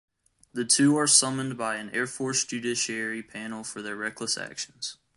The two are summoned by an Air Force judiciary panel for their reckless actions.